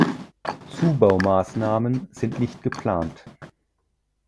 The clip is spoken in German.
Zubaumaßnahmen sind nicht geplant.